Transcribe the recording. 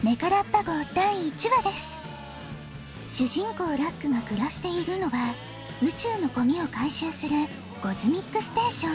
こうラックがくらしているのはうちゅうのゴミをかいしゅうするゴズミックステーション。